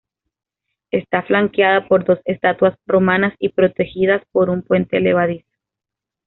Está flanqueada por dos estatuas romanas y protegida por un puente levadizo.